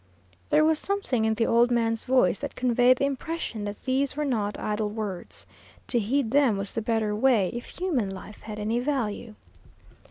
There was something in the old man's voice that conveyed the impression that these were not idle words. To heed them was the better way, if human life had any value.